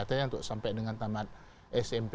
katanya untuk sampai dengan tamat smp